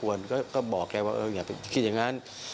มันก็ไม่ควรก็บอกแกว่าอย่าไปคิดอย่างนั้น